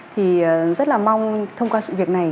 thì rất là mong thông qua sự việc này